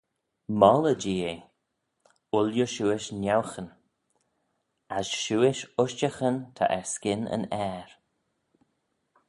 Moylley-jee eh, ooilley shiuish niaughyn: as shiuish ushtaghyn ta erskyn yn aer.